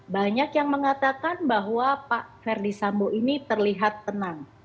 banyak yang mengatakan bahwa pak ferdisambo ini terlihat tenang